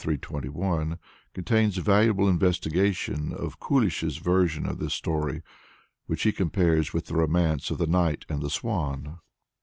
313 321) contain a valuable investigation of Kulish's version of this story, which he compares with the romance of "The Knight of the Swan."